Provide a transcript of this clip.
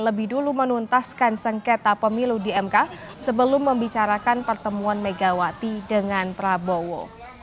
lebih dulu menuntaskan sengketa pemilu di mk sebelum membicarakan pertemuan megawati dengan prabowo